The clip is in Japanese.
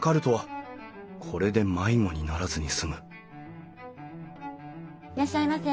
これで迷子にならずに済むいらっしゃいませ。